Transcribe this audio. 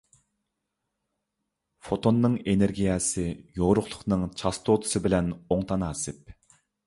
فوتوننىڭ ئېنېرگىيەسى يورۇقلۇقنىڭ چاستوتىسى بىلەن ئوڭ تاناسىپ.